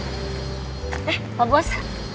eh pak bos